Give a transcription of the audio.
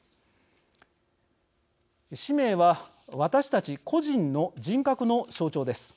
氏名は私たち個人の人格の象徴です。